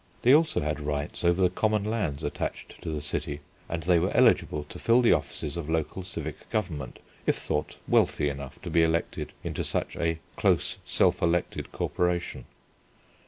They also had rights over the common lands attached to the city, and they were eligible to fill the offices of local civic government if thought wealthy enough to be elected into such a "close self elected corporation."